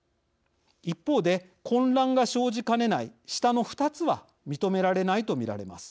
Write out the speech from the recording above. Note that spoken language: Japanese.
一方で混乱が生じかねない下の２つは認められないと見られます。